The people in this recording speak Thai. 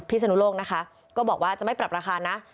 ศนุโลกนะคะก็บอกว่าจะไม่ปรับราคานะ